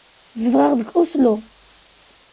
Zedɣeɣ deg Oslo.